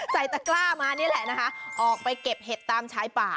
ตะกล้ามานี่แหละนะคะออกไปเก็บเห็ดตามชายป่า